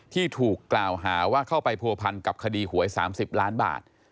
ที่ถูกกล่าวหาว่าเข้าไปผัวพันกับคดีหวย๓๐ล้านบาท